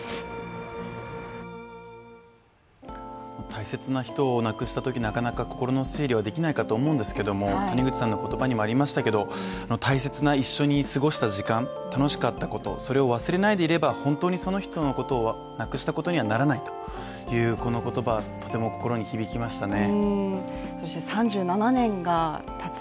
大切な人を亡くしたとき、なかなか心の整理はできないと思うのですけど谷口さんの言葉にもありましたけども大切な一緒に過ごした時間楽しかったことを忘れないでいれば、本当にその人のことを亡くしたことにはならないという、この言葉はとても心に響きましたね。